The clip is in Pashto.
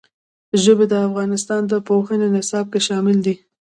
ژبې د افغانستان د پوهنې نصاب کې شامل دي.